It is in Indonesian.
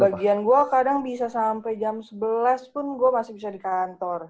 bagian gue kadang bisa sampai jam sebelas pun gue masih bisa di kantor